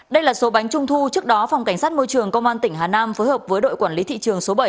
đây là số bánh trung thu trước đó phòng cảnh sát môi trường công an tỉnh hà nam phối hợp với đội quản lý thị trường số bảy